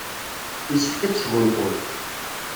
Yessefk ad tesgunfuḍ.